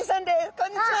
こんにちは。